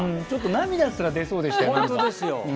ちょっと涙すら出そうでしたよ。